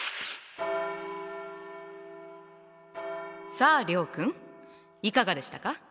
さあ諒君いかがでしたか？